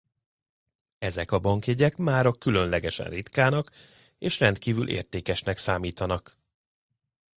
Ezek a bankjegyek mára különlegesen ritkának és rendkívül értékesnek számítanak.